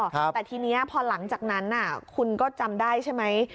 แต่ทีนี้พอหลังจากนั้นคุณก็จำได้ใช่ไหม